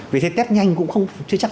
vì thế test nhanh cũng chưa chắc